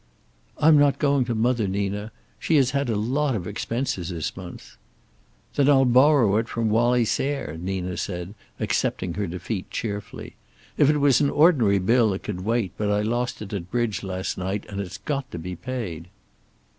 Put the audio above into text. "I'm not going to mother, Nina. She has had a lot of expenses this month." "Then I'll borrow it from Wallie Sayre," Nina said, accepting her defeat cheerfully. "If it was an ordinary bill it could wait, but I lost it at bridge last night and it's got to be paid."